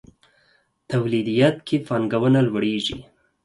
توليديت کې پانګونه لوړېږي.